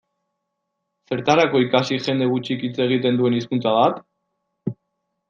Zertarako ikasi jende gutxik hitz egiten duen hizkuntza bat?